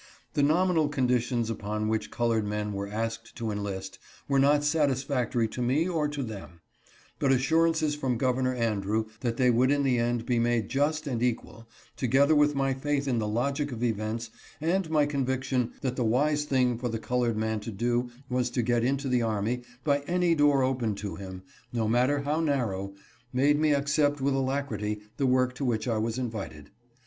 The nominal FIFTY FOURTH AND FIFTY FIFTH REGIMENTS. 417 conditions upon which colored men were asked to enlist were not satisfactory to me or to them ; but assurances from Governor Andrew that they would in the end be made just and equal, together with my faith in the logic of events and my conviction that the wise thing for the colored man to do was to get into the army by any door open to him, no matter how narrow, made me accept with alacrity the work to which I was invited.